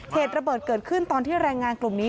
เหตุระเบิดเกิดขึ้นตอนที่แรงงานกลุ่มนี้